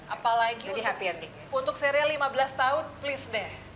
apalagi untuk serial lima belas tahun please deh